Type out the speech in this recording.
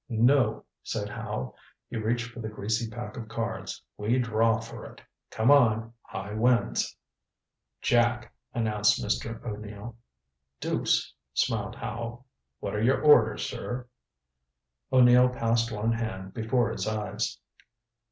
"No," said Howe. He reached for the greasy pack of cards. "We draw for it. Come on. High wins." "Jack," announced Mr. O'Neill. "Deuce," smiled Howe. "What are your orders, sir?" O'Neill passed one hand before his eyes.